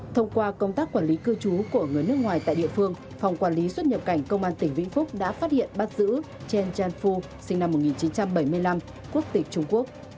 thông qua công tác quản lý cư trú của người nước ngoài tại địa phương phòng quản lý xuất nhập cảnh công an tỉnh vĩnh phúc đã phát hiện bắt giữ chen chan phu sinh năm một nghìn chín trăm bảy mươi năm quốc tịch trung quốc